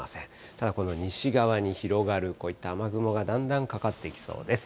ただ、この西側に広がるこういった雨雲がだんだんかかってきそうです。